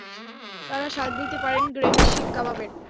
তারা স্বাদ নিতে পারেন গ্রেভি শিক কাবাবের।